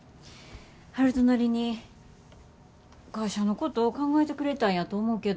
悠人なりに会社のこと考えてくれたんやと思うけど。